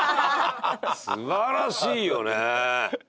すばらしいよね